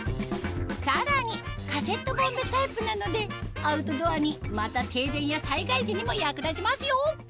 さらにカセットボンベタイプなのでアウトドアにまた停電や災害時にも役立ちますよ